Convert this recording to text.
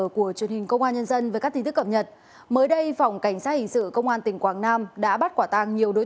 cảm ơn các bạn đã theo dõi